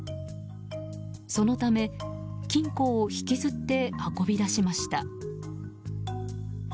そのため、金庫を引きずって運び出しました。